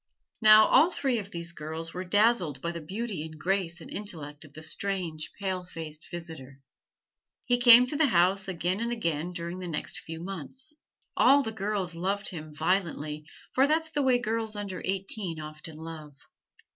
Now, all three of these girls were dazzled by the beauty and grace and intellect of the strange, pale faced visitor. He came to the house again and again during the next few months. All the girls loved him violently, for that's the way girls under eighteen often love.